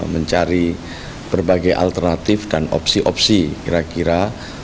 mencari berbagai alternatif dan opsi opsi kira kira